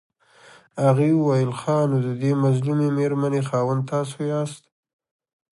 هغې وويل ښه نو ددې مظلومې مېرمنې خاوند تاسو ياست.